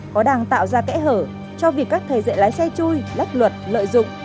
có đàng tạo ra kẽ hở cho việc các thể dạy lái xe chui lắc luật lợi dụng